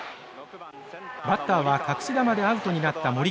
バッターは隠し球でアウトになった森川。